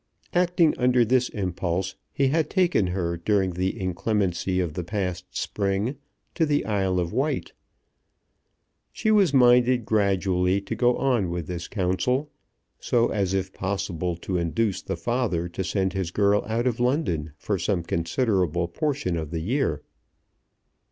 Acting under this impulse, he had taken her during the inclemency of the past spring to the Isle of Wight. She was minded gradually to go on with this counsel, so as if possible to induce the father to send his girl out of London for some considerable portion of the year.